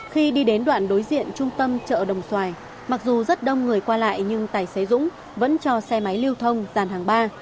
khi đi đến đoạn đối diện trung tâm chợ đồng xoài mặc dù rất đông người qua lại nhưng tài xế dũng vẫn cho xe máy lưu thông dàn hàng ba